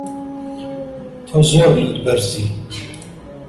تۆ زۆر لووتبەرزی.